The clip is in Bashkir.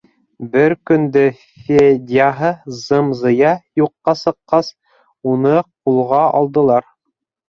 Бер көндө Федяһы зым-зыя юҡҡа сыҡҡас, уны ҡулға алдылар.